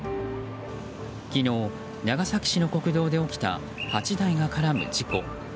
昨日、長崎市の国道で起きた８台が絡む事故。